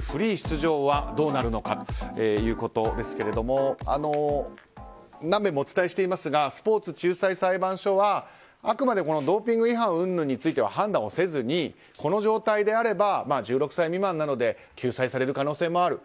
フリー出場はどうなるのかということですが何度もお伝えしていますがスポーツ仲裁裁判所はあくまでドーピング違反うんぬんについては判断をせずに、この状態であれば１６歳未満なので救済される可能性もある。